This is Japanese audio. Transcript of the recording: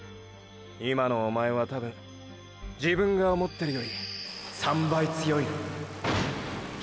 今のおまえはたぶん自分が思ってるより３倍強いよ！！